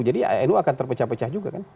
jadi nu akan terpecah pecah juga kan